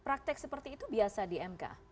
praktek seperti itu biasa di mk